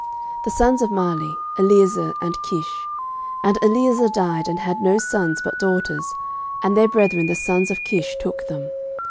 The sons of Mahli; Eleazar, and Kish. 13:023:022 And Eleazar died, and had no sons, but daughters: and their brethren the sons of Kish took them.